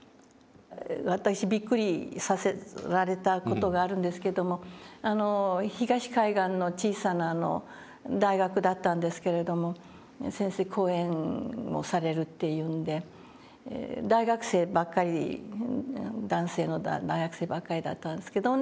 私びっくりさせられた事があるんですけども東海岸の小さな大学だったんですけれども先生講演をされるというんで大学生ばっかり男性の大学生ばっかりだったんですけどもね